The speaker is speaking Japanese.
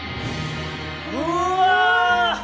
うわ！